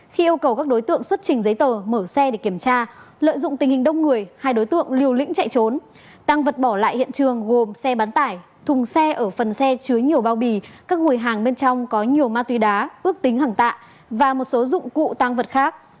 khi yêu cầu các đối tượng xuất trình giấy tờ mở xe để kiểm tra lợi dụng tình hình đông người hai đối tượng liều lĩnh chạy trốn tăng vật bỏ lại hiện trường gồm xe bán tải thùng xe ở phần xe chứa nhiều bao bì các hồi hàng bên trong có nhiều ma túy đá ước tính hàng tạ và một số dụng cụ tăng vật khác